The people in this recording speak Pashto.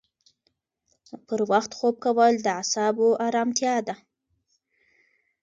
پر وخت خوب کول د اعصابو ارامتیا ده.